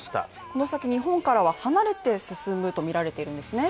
この先日本からは離れて進むとみられているんですね